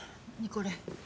これ。